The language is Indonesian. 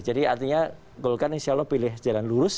jadi artinya golkar insya allah pilih jalan lurus